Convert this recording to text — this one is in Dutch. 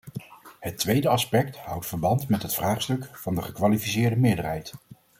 Het tweede aspect houdt verband met het vraagstuk van de gekwalificeerde meerderheid.